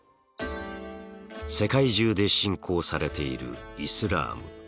世界中で信仰されているイスラーム。